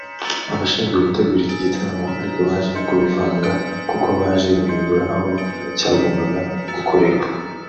Abashinzwe gutegura iki gitaramo ariko baje kubivanga kuko baje guhindura aho cyagombaga gukorerwa